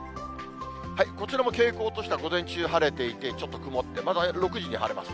こちらも傾向としては午前中晴れていて、ちょっと曇って、まだ６時に晴れます。